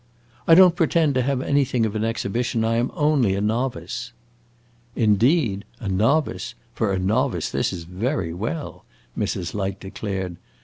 "I don't pretend to have anything of an exhibition I am only a novice." "Indeed? a novice! For a novice this is very well," Mrs. Light declared.